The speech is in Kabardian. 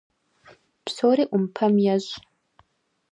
Псори Ӏумпэм ещӏ.